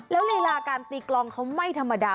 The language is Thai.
แล้วลีลาการตีกลองเขาไม่ธรรมดา